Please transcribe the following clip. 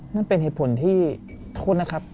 นั่นเป็นเหตุผลที่โทษนะครับ